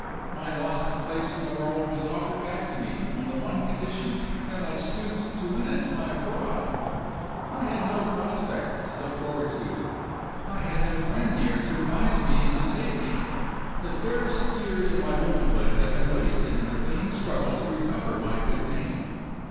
My lost place in the world was offered back to me on the one condition that I stooped to win it by a fraud. I had no prospect to look forward to; I had no friend near to advise me and to save me; the fairest years of my womanhood had been wasted in the vain struggle to recover my good name.